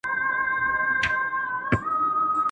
د صله رحمۍ قطع او د والدينو ازار.